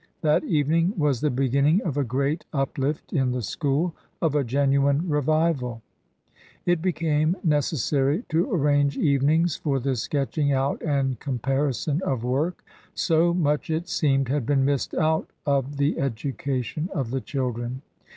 That evening was the beginning of a great uplift in the school — of a genuine revival. It became necessary to arrange evenings for the sketching out and comparison of work — so much, it seemed, had been missed out of the education of the children.